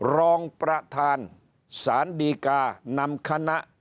รองประธานสารดีกานำคณะ